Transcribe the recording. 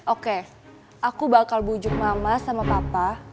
oke aku bakal bujuk mama sama papa